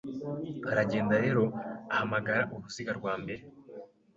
Aragenda rero ahamagara uruziga rwa mbere